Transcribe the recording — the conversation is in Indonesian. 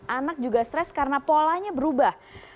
anak juga stres karena polanya berubah